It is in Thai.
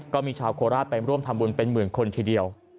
ก็มีชาวโคราชไปร่วมทำบุญเป็นหมื่นคนทีเดียว